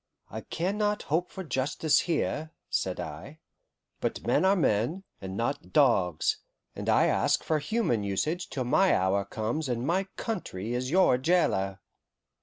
"I can not hope for justice here," said I, "but men are men, and not dogs, and I ask for human usage till my hour comes and my country is your jailer."